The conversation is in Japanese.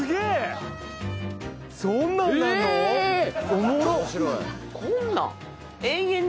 おもろっ！